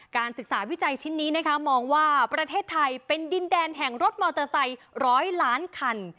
การศึกษาวิจัยชิ้นนี้นะคะมองว่าประเทศไทยเป็นดินแดนแห่งรถมอเตอร์ไซค์๑๐๐ล้านคัน